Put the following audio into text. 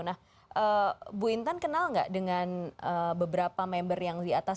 nah ibu intan kenal nggak dengan beberapa member yang di atas